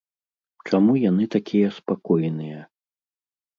Чаму яны такія спакойныя?